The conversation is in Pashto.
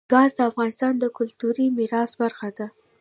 ګاز د افغانستان د کلتوري میراث برخه ده.